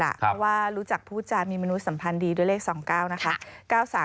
เพราะว่ารู้จักพูดจามีมนุษยสัมพันธ์ดีด้วยเลข๒๙นะคะ